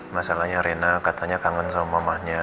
masalahnya rena katanya kangen sama mamanya